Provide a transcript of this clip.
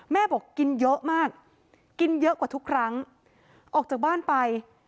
บอกกินเยอะมากกินเยอะกว่าทุกครั้งออกจากบ้านไป